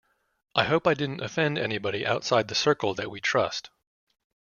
I hope I didn't offend anybody outside the circle that we trust.